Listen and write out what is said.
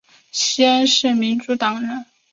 西恩是民主党人。